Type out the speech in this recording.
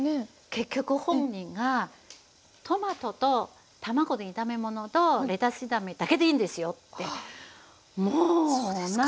結局本人がトマトと卵の炒め物とレタス炒めだけでいいんですよって。